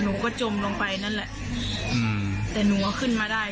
หนูก็จมลงไปนั่นแหละอืมแต่หนูก็ขึ้นมาได้